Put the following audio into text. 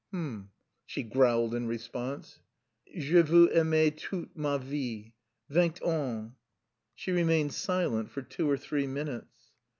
"H'm!" she growled in response. "Je vous aimais toute ma vie... vingt ans!" She remained silent for two or three minutes.